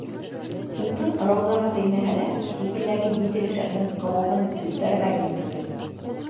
Утын Раузаға теймәһә лә, һикеләге етеле шәмдең ҡыуығын селпәрәмә килтерҙе.